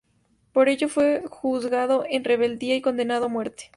Por ello, fue juzgado en rebeldía y condenado a muerte.